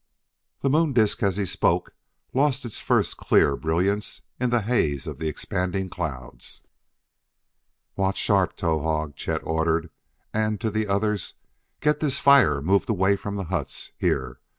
The moon disk, as he spoke, lost its first clear brilliance in the haze of the expanding clouds. "Watch sharp, Towahg!" Chet ordered. And, to the others: "Get this fire moved away from the huts here.